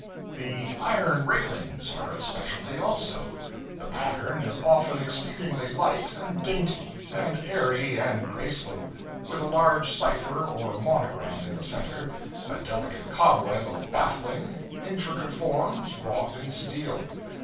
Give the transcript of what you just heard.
The iron railings are a specialty, also. The pattern is often exceedingly light and dainty, and airy and graceful with a large cipher or monogram in the center, a delicate cobweb of baffling, intricate forms, wrought in steel.